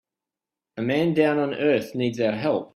A man down on earth needs our help.